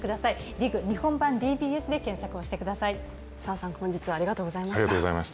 「ＤＩＧ日本版ＤＢＳ」で検索をしてください。